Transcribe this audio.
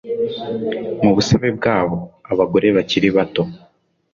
Mu busabe bwabo, abagore bakiri bato